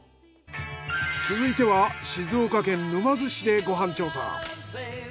続いては静岡県沼津市でご飯調査。